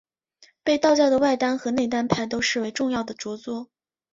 被道教的外丹和内丹派都视为重要的着作。